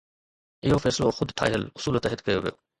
اهو فيصلو خود ٺاهيل اصول تحت ڪيو ويو